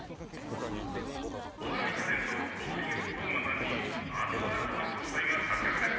お笑いタレントロドリゲス頓間さんにまた新たな交際が発覚です